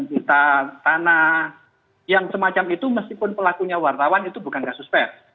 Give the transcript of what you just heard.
kita tanah yang semacam itu meskipun pelakunya wartawan itu bukan kasus pers